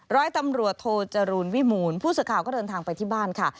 ร้อยตำรวจโทจรูลวิมูลผู้สื่อข่าวก็เดินทางไปที่บ้านค่ะ